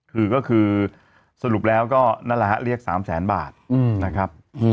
คือง็คือสรุปแล้วก็นาระเรียก๓แสนบาทนะครับ